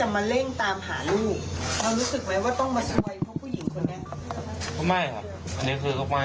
มันทำให้มาที่ปั่นปวดกลาง